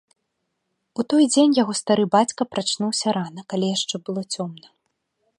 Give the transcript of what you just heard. У той дзень яго стары бацька прачнуўся рана, калі яшчэ было цёмна.